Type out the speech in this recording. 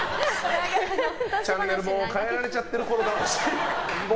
チャンネルも変えられちゃってるころだと思うし。